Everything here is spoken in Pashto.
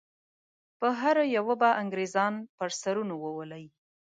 په هره یوه به انګریزان پر سرونو وولي.